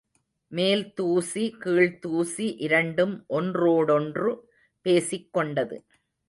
மேல்தூசி, கீழ்தூசி இரண்டும் ஒன்றோடொன்று பேசிக்கொண்டது.